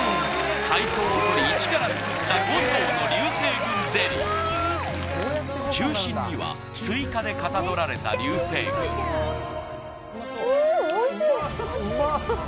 海藻をとり一から作った５層の流星群ゼリー中心にはスイカでかたどられた流星群うん